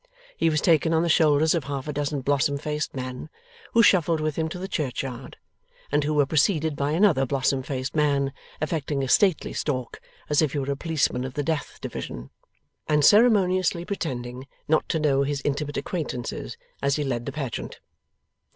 He was taken on the shoulders of half a dozen blossom faced men, who shuffled with him to the churchyard, and who were preceded by another blossom faced man, affecting a stately stalk, as if he were a Policeman of the D(eath) Division, and ceremoniously pretending not to know his intimate acquaintances, as he led the pageant.